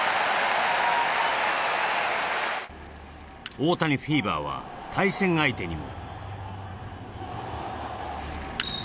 大谷フィーバーは対戦相手にも。